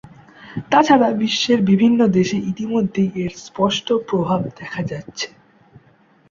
তাছাড়া বিশ্বের বিভিন্ন দেশে ইতোমধ্যেই এর স্পষ্ট প্রভাব দেখা যাচ্ছে।